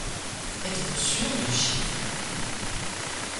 Êtes-vous sûre du chiffre ?